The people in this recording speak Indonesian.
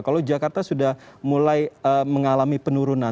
kalau jakarta sudah mulai mengalami penurunan